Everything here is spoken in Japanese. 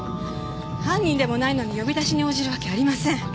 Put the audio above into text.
犯人でもないのに呼び出しに応じるわけありません。